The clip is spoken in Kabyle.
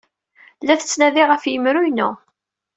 La ttnadiɣ ɣef yemru-inu.